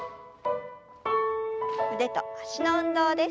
腕と脚の運動です。